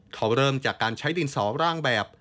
เขาเริ่มจากการใช้ดินสอร่างแบบ